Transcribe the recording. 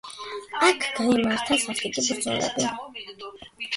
აქ გაიმართა სასტიკი ბრძოლები.